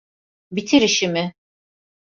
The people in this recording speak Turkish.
Bitir işimi.